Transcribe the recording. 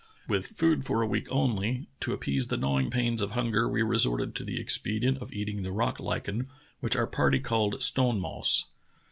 With food for a week only, "to appease the gnawing pains of hunger we resorted to the expedient of eating the rock lichen, which our party called stone moss.